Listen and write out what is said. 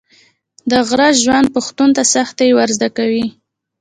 د غره ژوند پښتون ته سختي ور زده کوي.